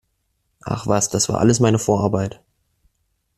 Ach was, das war alles meine Vorarbeit!